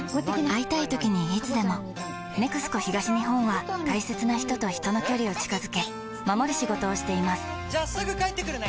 会いたいときにいつでも「ＮＥＸＣＯ東日本」は大切な人と人の距離を近づけ守る仕事をしていますじゃあすぐ帰ってくるね！